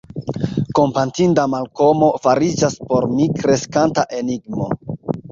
Kompatinda Malkomo fariĝas por mi kreskanta enigmo.